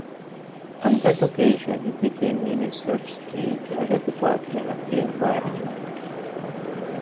On that occasion he became Minister of State at the Department of the Environment.